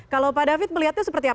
kalau pak david melihatnya seperti apa